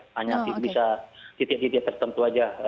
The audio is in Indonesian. hanya bisa titik titik tertentu saja